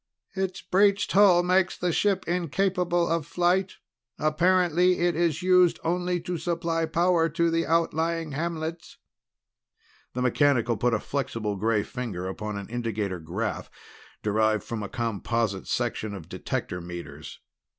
"Its breached hull makes the ship incapable of flight. Apparently it is used only to supply power to the outlying hamlets." The mechanical put a flexible gray finger upon an indicator graph derived from a composite section of detector meters.